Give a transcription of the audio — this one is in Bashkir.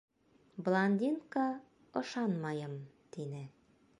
Блондинка, ышанмайым, тине.